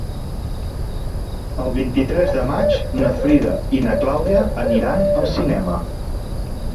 El vint-i-tres de maig na Frida i na Clàudia aniran al cinema.